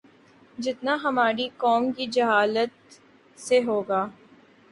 جتنا ہماری قوم کی جہالت سے ہو گا